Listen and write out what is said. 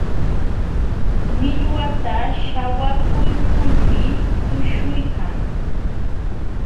Millwata śhawakuykulmi tuśhuykan.